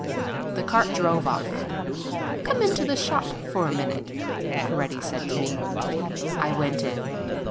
The cart drove off. "Come into the shop a minute," Coretti said to me. I went in.